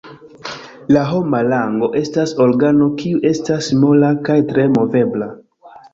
La homa lango estas organo, kiu estas mola kaj tre movebla.